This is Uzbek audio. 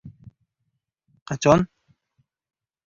-Qachon?